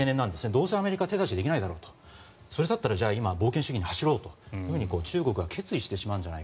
どうせ、アメリカは手出しできないだろうとそれだったら冒険主義に走ろうと中国がしてしまうと。